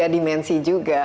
tiga dimensi juga